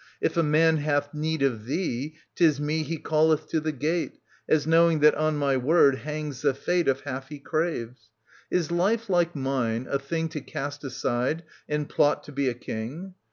If a man hath need Of thee, 'tis me he calleth to the gate, As knowing that on my word hangs the fate Of half he craves. Is life like mine a thing To cast aside and plot to be a King